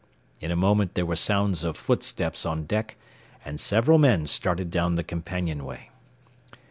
In a moment there were sounds of footsteps on deck, and several men started down the companionway.